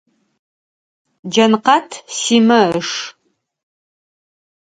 Джанкъат Симэ ыш.